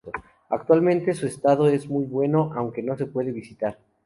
Actualmente su estado es muy bueno aunque no se puede visitar.